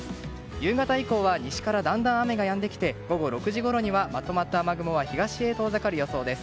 夕方以降は西からだんだん雨がやんできて午後６時ごろにはまとまった雨雲は東へ遠ざかる予想です。